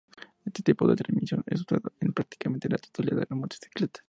Este tipo de transmisión es usado en prácticamente la totalidad de las motocicletas.